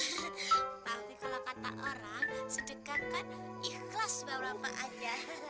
emang kamu kurang aprah